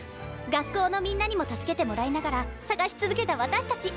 学校のみんなにも助けてもらいながら探し続けた私たち。